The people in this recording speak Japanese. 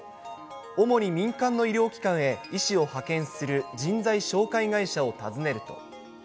主に民間の医療機関へ医師を派遣する人材紹介会社を訪ねると。